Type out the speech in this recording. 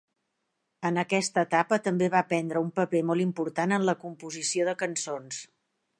En aquesta etapa també va prendre un paper molt important en la composició de cançons.